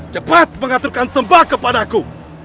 cepat mengaturkan sembah kepadaku